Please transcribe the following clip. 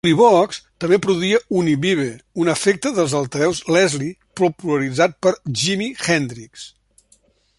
Univox també produïa Uni-Vibe, un efecte dels altaveu Leslie popularitzat per Jimi Hendrix.